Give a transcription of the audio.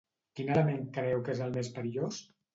Quin element creu que és el més perillós?